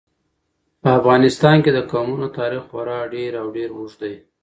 په افغانستان کې د قومونه تاریخ خورا ډېر او ډېر اوږد دی.